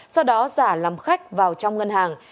sau đó giả làm khách vào trong ngân hàng